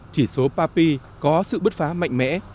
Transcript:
chỉ số papi có sự bứt phá mạnh mẽ